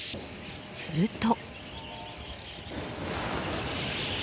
すると。